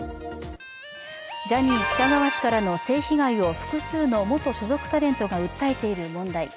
ジャニー喜多川氏からの性被害を複数の元所属タレントが訴えている問題。